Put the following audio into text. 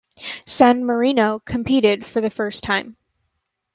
San Marino competed for the first time.